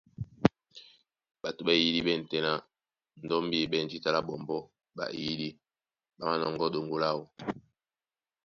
Ɓato ɓá ɛ̂n tɛ́ ná ndɔ́mbí í ɓɛ̂n jǐta lá ɓɔmbɔ́ ɓá eyìdí, ɓá manɔŋgɔ́ ɗoŋgo láō.